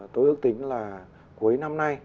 tôi ước tính là cuối năm nay